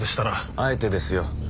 あえてですよ。